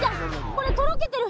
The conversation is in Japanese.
これとろけてる！